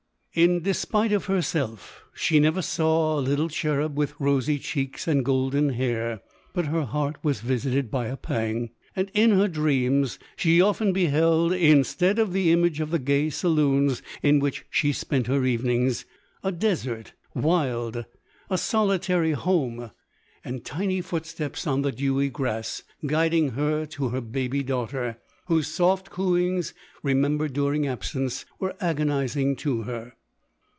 In despite of herself, she never saw a little cherub with rosy cheeks and golden hair, but her heart was visited by a pang ; and in her dreams she often beheld, instead of the image of the gay saloons in which she spent her evenings, a desert wild — a solitary home — and LODORE. 207 tiny footsteps on the dewy grass, guiding her to her baby daughter, whose soft cooings, re membered during absence, were agonizing to her.